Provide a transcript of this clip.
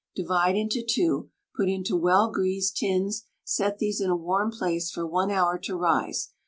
Divide into two, put into well greased tins, set these in a warm place for 1 hour to rise.